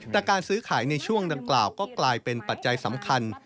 แต่การซื้อขายในช่วงดังกล่าวก็กลายเป็นปัจจัยสำคัญ